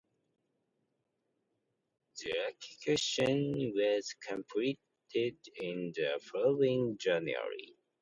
The acquisition was completed in the following January.